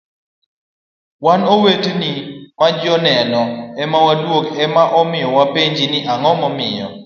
wan oweteni majoneno ema wadong' ema omiyo wapenji ni ang'o momiyo